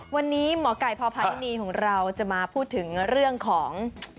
วันนี้หมอไก่พพาธินีของเราจะมาพูดถึงเรื่องของ